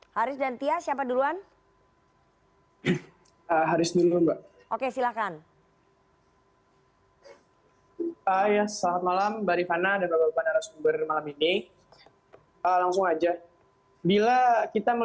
haris dan tia siapa duluan